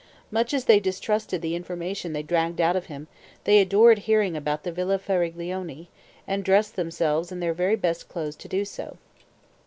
Much as they distrusted the information they dragged out of him, they adored hearing about the Villa Faraglione, and dressed themselves in their very best clothes to do so.